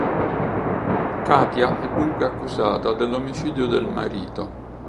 Katja è dunque accusata dell’omicidio del marito.